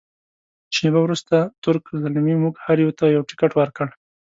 شیبه وروسته تُرک زلمي موږ هر یوه ته یو تکټ ورکړ.